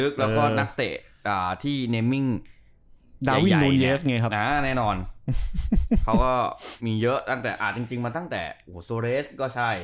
เขาก็มีเยอะจริงมาตั้งแต่โซเลสก็ใช่